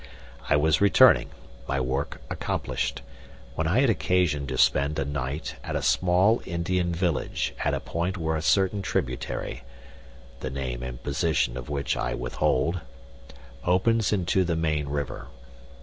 I was returning, my work accomplished, when I had occasion to spend a night at a small Indian village at a point where a certain tributary the name and position of which I withhold opens into the main river.